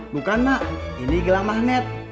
bukan nak ini gelang magnet